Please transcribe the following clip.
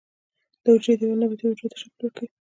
د حجرې دیوال نباتي حجرو ته شکل ورکوي